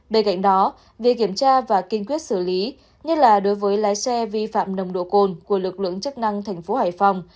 bên cạnh đó việc kiểm tra và kinh quyết xử lý nhất là đối với lái xe vi phạm nồng độ cồn của lực lượng chức năng thành phố hải phòng